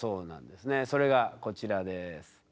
それがこちらです。